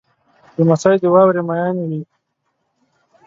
لمسی د واورې مین وي.